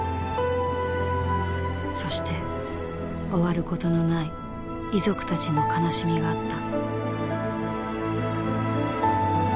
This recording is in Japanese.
そして終わることのない遺族たちの悲しみがあった。